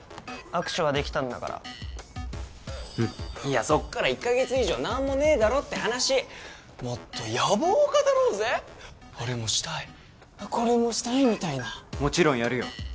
握手はできたんだからうんいやそっから１カ月以上何もねえだろって話もっと野望を語ろうぜあれもしたいこれもしたいみたいなもちろんやるよ